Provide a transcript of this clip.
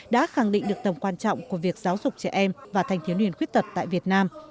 đã khẳng định được tầm quan trọng của việc giáo dục trẻ em và thanh thiếu niên khuyết tật tại việt nam